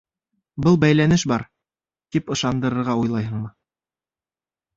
Был бәйләнеш бар, тип ышандырырға уйлайһыңмы?